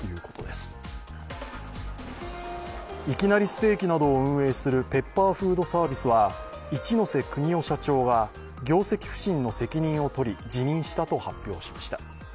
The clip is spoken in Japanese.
ステーキなどを運営するペッパーフードサービスは、一瀬邦夫社長が業績不振の責任を取り辞任したと発表しました。